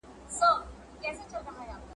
هم روزي کورونه هم مېلمه دی په پاللی !.